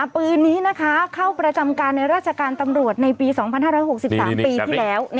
ปืนนี้นะคะเข้าประจำการในราชการตำรวจในปี๒๕๖๓ปีที่แล้ว